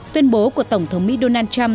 tuyên bố của tổng thống mỹ donald trump